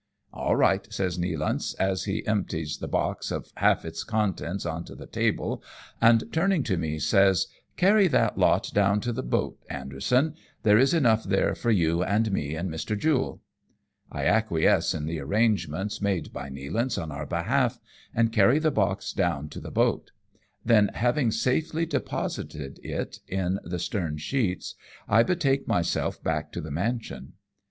All right," says Nealance, as he empties the box of half its contents on to the table, and turning to me M.IAVA^G WOO AH CHEONG PAY UP. 205 says :" Carry that lot down to the boat, Anderson ; there is enough there for you and me, and Mr. Jule." I acquiesce in the arrangements made by Nealance on our behalf, and carry the box down to the boat ; then having safely deposited it in the stern sheets^ I betake myself back to the mansion.